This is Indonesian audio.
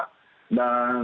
dan mereka datang